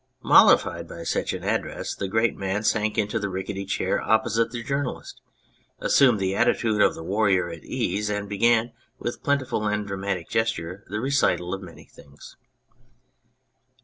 Mollified by such an address, the great man sank into the rickety chair opposite the journalist, assumed the attitude of the warrior at ease, and began with plentiful and dramatic gesture the recital of many things.